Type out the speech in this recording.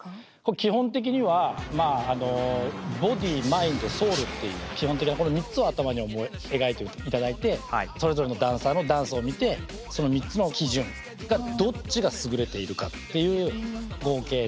基本的には「ＢＯＤＹ」「ＭＩＮＤ」「ＳＯＵＬ」っていう基本的なこの３つを頭に思い描いて頂いてそれぞれのダンサーのダンスを見てその３つの基準がどっちが優れているかっていう合計で。